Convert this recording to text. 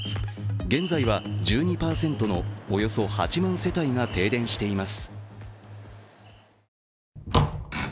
現在は、１２％のおよそ８万世帯が停電しています。